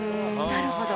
なるほど。